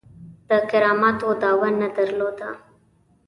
د کراماتو دعوه نه درلوده.